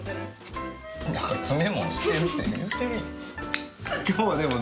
だから詰め物してるって言うてるやん。